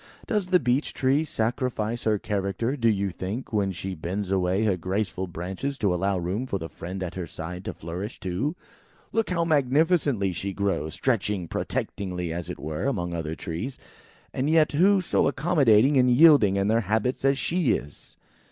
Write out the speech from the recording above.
Does the Beech tree sacrifice her character, do you think, when she bends away her graceful branches to allow room for the friend at her side to flourish too? Look, how magnificently she grows, stretching protectingly as it were, among other trees; and yet, who so accommodating and yielding in their habits as she is?"